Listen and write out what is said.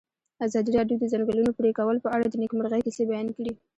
ازادي راډیو د د ځنګلونو پرېکول په اړه د نېکمرغۍ کیسې بیان کړې.